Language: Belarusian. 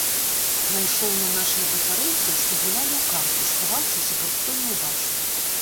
Найшоў на нашых батарэйцаў, што гулялі ў карты, схаваўшыся, каб хто не ўбачыў.